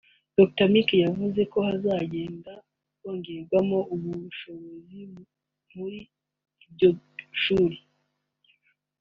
Dr Mike ngo yavuze ko hazagenda hongerwamo ubushobozi muri iryo shuri